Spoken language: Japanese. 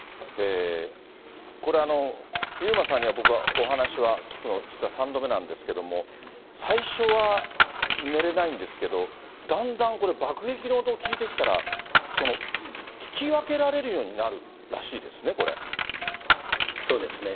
これ、遊馬さんには僕はお話は聞くの、実は３度目なんですけど、最初は寝れないんですけど、だんだんこれ、爆撃の音を聞いてきたら、聞き分けられるようになるらしいですね、そうですね。